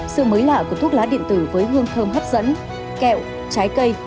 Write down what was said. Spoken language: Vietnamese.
sự mới lạ của thuốc lá điện tử với hương thơm hấp dẫn kẹo trái cây